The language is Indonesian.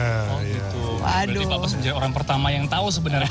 berarti pak bas menjadi orang pertama yang tahu sebenarnya